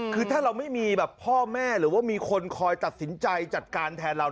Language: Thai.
คือถ้าเราไม่มีแบบพ่อแม่หรือว่ามีคนคอยตัดสินใจจัดการแทนเรา